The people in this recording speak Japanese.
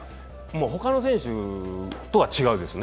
他の選手とは違いますね。